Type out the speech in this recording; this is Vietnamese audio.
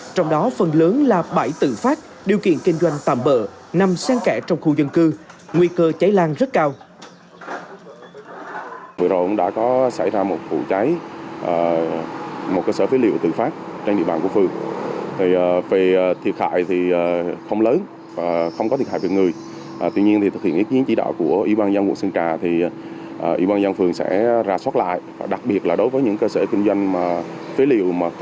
trong đó phần lớn là bãi tự phát điều kiện kinh doanh tạm bỡ nằm sáng kẽ trong khu dân cư nguy cơ cháy lan rất cao